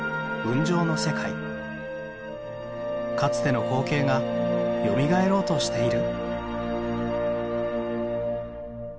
かつての光景がよみがえろうとしている。